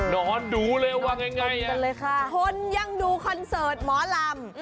นอนดูเลยว่าไงคนยังดูคอนเสิร์ตหมอลำ